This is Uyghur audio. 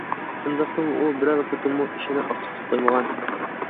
شۇنداقتىمۇ ئۇ بىرەر قېتىممۇ ئىشنى ئاقسىتىپ قويمىغان.